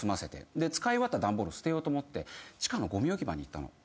で使い終わった段ボール捨てようと思って地下のごみ置き場に行ったの。